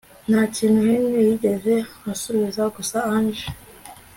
nta kintu Henry yigeze asubiza gusa angel